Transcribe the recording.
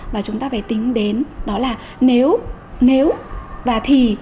và chúng ta phải tính đến đó là nếu và thì